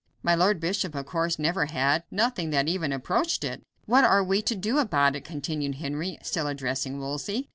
My Lord Bishop, of course, never had; nothing that even approached it. "What are we to do about it?" continued Henry, still addressing Wolsey.